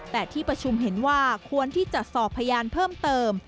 แต่ที่ประชุมเห็นว่าควรที่จะสอบพยานเพิ่มเติม